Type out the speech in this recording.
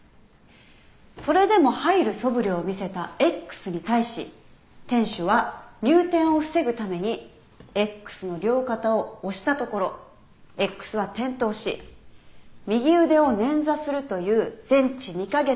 それでも入るそぶりを見せたＸに対し店主は入店を防ぐためにＸの両肩を押したところＸは転倒し右腕を捻挫するという全治２カ月のケガを負った。